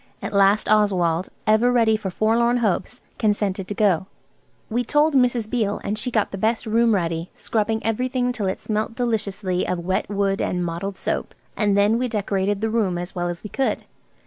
At last Oswald, ever ready for forlorn hopes, consented to go. We told Mrs. Beale, and she got the best room ready, scrubbing everything till it smelt deliciously of wet wood and mottled soap. And then we decorated the room as well as we could.